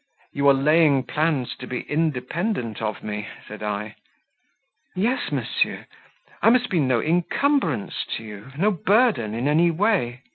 "You are laying plans to be independent of me," said I. "Yes, monsieur; I must be no incumbrance to you no burden in any way."